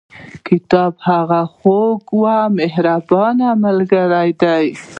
کتاب هغه خواخوږي او مهربانه ملګري دي.